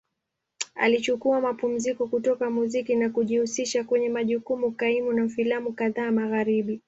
Alichukua mapumziko kutoka muziki na kujihusisha kwenye majukumu kaimu na filamu kadhaa Magharibi.